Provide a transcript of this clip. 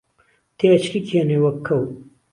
تێئەچریکێنێ وەک کەو